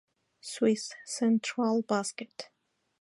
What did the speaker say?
Swiss Central Basket